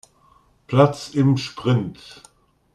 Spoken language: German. Platz im Sprint.